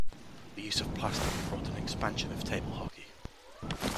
The use of plastic brought an expansion of table hockey.